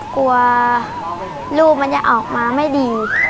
กลัวลูกมันจะออกมาไม่ดี